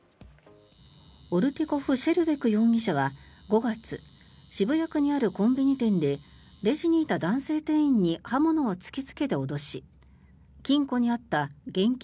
オルティコフ・シェルベク容疑者は５月渋谷区にあるコンビニ店でレジにいた男性店員に刃物を突きつけて脅し金庫にあった現金